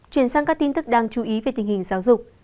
chuyển sang các tin tức đáng chú ý về tình hình giáo dục